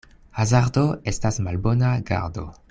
Hazardo estas malbona gardo.